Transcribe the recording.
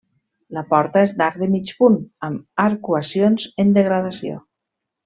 La porta és d'arc de mig punt amb arcuacions en degradació.